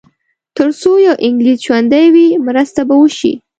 تر څو یو انګلیس ژوندی وي مرسته به وشي.